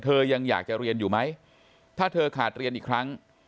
ยังอยากจะเรียนอยู่ไหมถ้าเธอขาดเรียนอีกครั้ง